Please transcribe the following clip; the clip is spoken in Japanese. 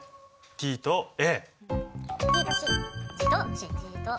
ＴとＡ。